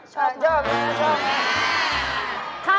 ชอบม้าชอบม้า